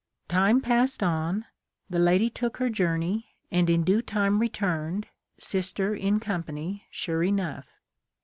Time passed on, the lady took her journey, and in due time returned, sister in company sure enough.